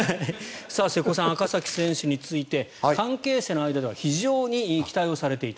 瀬古さん赤崎選手について関係者の間では非常に期待されていた。